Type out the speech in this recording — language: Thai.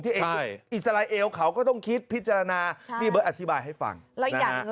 อิสราเอลเขาก็ต้องคิดพิจารณาพี่เบิร์ตอธิบายให้ฟังแล้วอีกอย่างหนึ่ง